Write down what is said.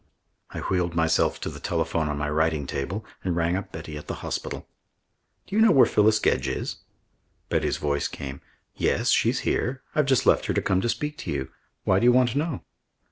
I wheeled myself to the telephone on my writing table and rang up Betty at the hospital. "Do you know where Phyllis Gedge is?" Betty's voice came. "Yes. She's here. I've just left her to come to speak to you. Why do you want to know?"